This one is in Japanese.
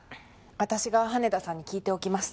私が羽田さんに聞いておきます